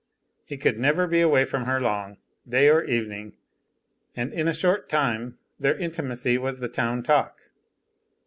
He could never be away from her long, day or evening; and in a short time their intimacy was the town talk.